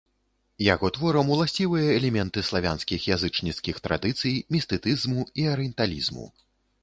Яго творам уласцівыя элементы славянскіх язычніцкіх традыцый, містыцызму і арыенталізму.